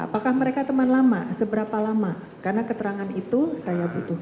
apakah mereka teman lama seberapa lama karena keterangan itu saya butuhkan